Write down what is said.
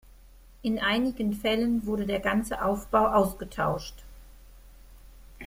In einigen Fällen wurde der ganze Aufbau ausgetauscht.